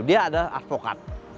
dia ada advokat